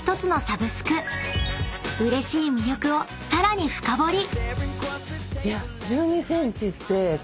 ［うれしい魅力をさらに深掘り］